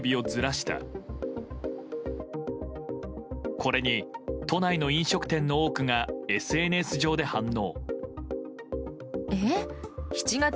これに都内の飲食店の多くがＳＮＳ上で反応。